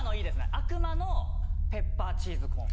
「悪魔のペッパーチーズコーン」。